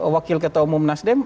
wakil ketua umum nasdem